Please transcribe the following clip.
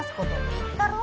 言ったろ？